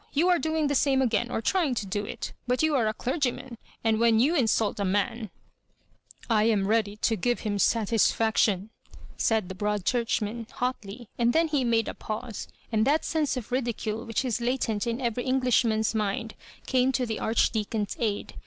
You are doing the saqie again, or trying to do it But you are a clergyman, and when you insult a man " '*I am ready to give him satisfaction," said the Broad Churchman, hotly , and then he made a pause, and that sense of ridicule which is latent in every Englishman's mind, came to the Aroh deacon's aid.